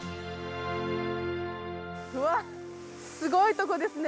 うわっスゴいとこですね